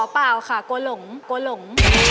อ๋อเปล่าค่ะกลัวหลง